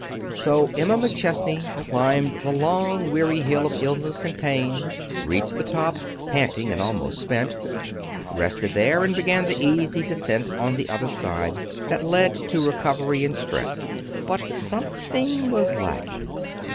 So Emma McChesney climbed the long, weary hill of illness and pain, reached the top, panting and almost spent, rested there, and began the easy descent on the other side that led to recovery and strength. But something was lacking.